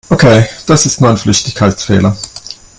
Okay, das ist nur ein Flüchtigkeitsfehler.